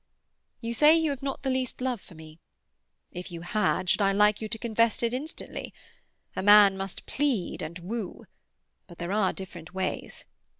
You say you have not the least love for me; if you had, should I like you to confess it instantly? A man must plead and woo; but there are different ways.